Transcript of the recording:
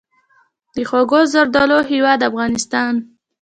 د خوږو زردالو هیواد افغانستان.